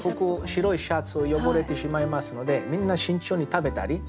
白いシャツ汚れてしまいますのでみんな慎重に食べたり。